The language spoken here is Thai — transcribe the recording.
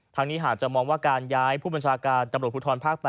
นี้หากจะมองว่าการย้ายผู้บัญชาการตำรวจภูทรภาค๘